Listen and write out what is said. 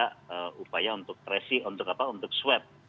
bukan ada upaya untuk tracing untuk apa untuk swab